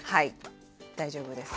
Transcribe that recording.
大丈夫です。